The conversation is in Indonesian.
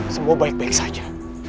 semua baik baik saja